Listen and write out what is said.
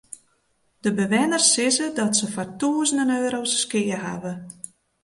De bewenners sizze dat se foar tûzenen euro's skea hawwe.